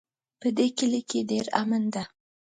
په دې کلي کې ډېر امن ده